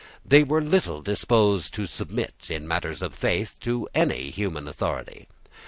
They were little disposed to submit, in matters of faith, to any human authority.